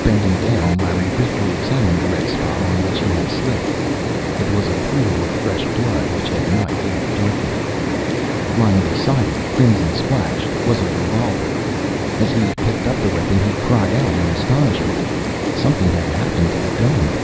Bending down, Larry briefly examined the red spot on which he had slipped. It was a pool of fresh blood which had not yet darkened. Lying beside it, crimson splashed, was a revolver. As he picked up the weapon, he cried out in astonishment. Something had happened to the gun.